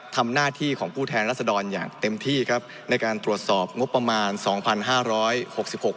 ทำหน้าที่ของผู้แทนรัศดรอย่างเต็มที่ครับในการตรวจสอบงบประมาณสองพันห้าร้อยหกสิบหก